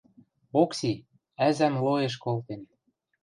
Окси... ӓзӓм лоэш колтен...